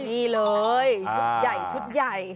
นี่เลยชุดใหญ่